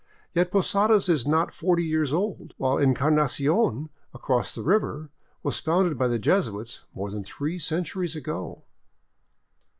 Yet Posadas is not forty years old, while Encarnacion, across the river, was founded by the Jesuits more than three centuries ago.